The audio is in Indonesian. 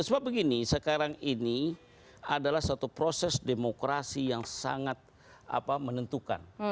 karena begini sekarang ini adalah satu proses demokrasi yang sangat menentukan